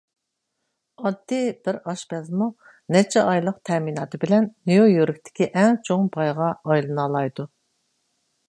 ئاددىي بىر ئاشپەزمۇ نەچچە ئايلىق تەمىناتى بىلەن نيۇ-يوركتىكى ئەڭ چوڭ بايغا ئايلىنالايدۇ.